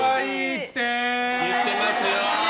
言ってますよ。